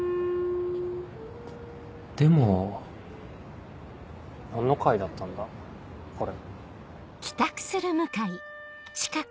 でも何の会だったんだ？これ。